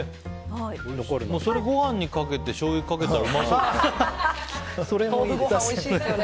それご飯にかけてしょうゆかけたらうまそうですね。